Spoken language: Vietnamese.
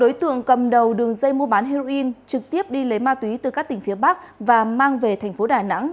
đối tượng cầm đầu đường dây mua bán heroin trực tiếp đi lấy ma túy từ các tỉnh phía bắc và mang về thành phố đà nẵng